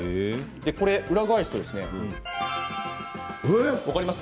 裏返すと分かりますか？